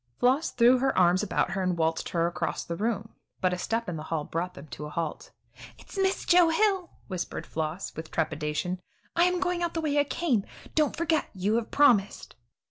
Floss threw her arms about her and waltzed her across the room, but a step in the hall brought them to a halt. "It's Miss Joe Hill," whispered Floss, with trepidation; "I am going out the way I came. Don't you forget; you have promised."